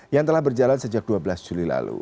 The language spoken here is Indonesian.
yang telah berjalan sejak dua belas juli lalu